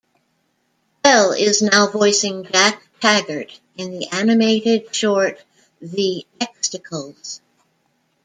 Bell is now voicing Jack Taggart in the animated short The Xtacles.